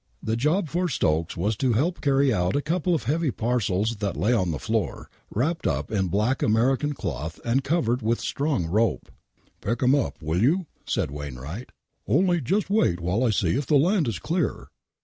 The job for Stokes was to help carry out a couple of heavy parcels that lay on the floor, wrapped up in black American cloth and covered with strong rope, " Pick 'em up will you ?" said Wainwright. " Only just wait while I see if the land is clear.